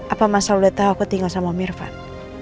apa mas al udah tahu aku tinggal sama om irfan